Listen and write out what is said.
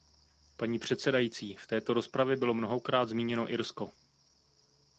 Paní předsedající, v této rozpravě bylo mnohokrát zmíněno Irsko.